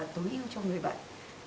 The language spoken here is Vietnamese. tối ưu cho người bệnh